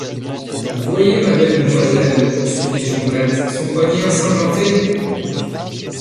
Voyez, ma belle demoiselle, poursuivit Jondrette, son poignet ensanglanté!